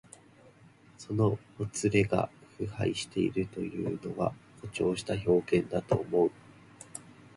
そのほつれが腐敗しているというのは、誇張した表現だと思う。